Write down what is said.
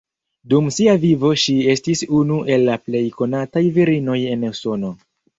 Dum sia vivo ŝi estis unu el la plej konataj virinoj en Usono.